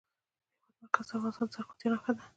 د هېواد مرکز د افغانستان د زرغونتیا نښه ده.